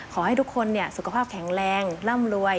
ขอให้ทุกคนสุขภาพแข็งแรงร่ำรวย